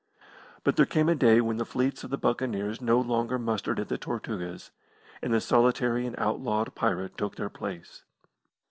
But there came a day when the fleets of the Buccaneers no longer mustered at the Tortugas, and the solitary and outlawed pirate took their place.